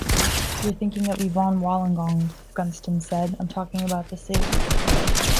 "You're thinking of Evonne Wollongong", Gunston said, "I'm talking about the city.